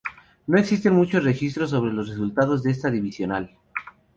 No existen muchos registros sobre los resultados de esta divisional.